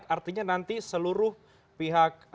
artinya nanti seluruh pihak